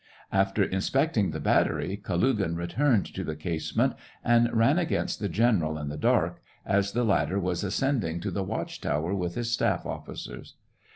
After inspecting the battery, Kalugin returned to the casemate, and ran against the general in the dark, as the latter was ascending to the watch tower with his staff officers.